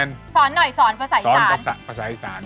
รับภาพออีสานรับภาพออีสาน